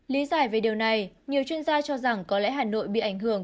lý giải về điều này nhiều chuyên gia cho rằng có lẽ hà nội bị ảnh hưởng